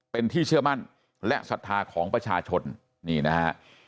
เป็นที่เชื่อมั่นและศรัทธาของประชาชนนี่นะฮะ